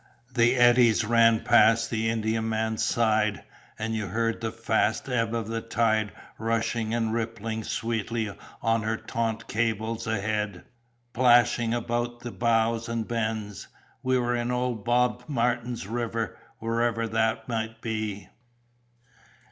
The eddies ran past the Indiaman's side, and you heard the fast ebb of the tide rushing and rippling sweetly on her taut cables ahead, plashing about the bows and bends. We were in old Bob Martin's river whatever that might be."